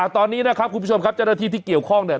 ตอนนี้นะครับคุณผู้ชมครับเจ้าหน้าที่ที่เกี่ยวข้องเนี่ย